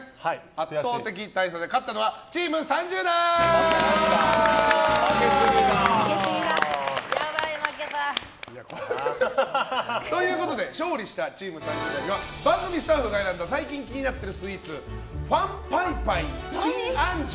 圧倒的大差で勝ったのはチーム３０代！ということで勝利したチーム３０代には番組スタッフが選んだ最近気になっているスイーツ黄白白／辰杏珠